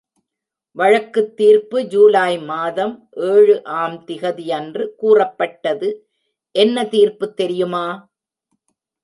வழக்குத் தீர்ப்பு ஜூலை மாதம் ஏழு ஆம் தேதியன்று கூறப்பட்டது என்ன தீர்ப்பு தெரியுமா?